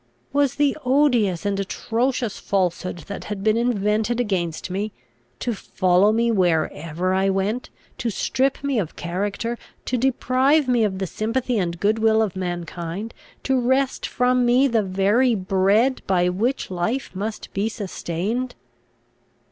Was the odious and atrocious falsehood that had been invented against me, to follow me wherever I went, to strip me of character, to deprive me of the sympathy and good will of mankind, to wrest from me the very bread by which life must be sustained?